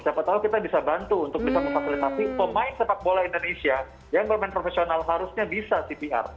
siapa tahu kita bisa bantu untuk bisa memfasilitasi pemain sepak bola indonesia yang bermain profesional harusnya bisa cpr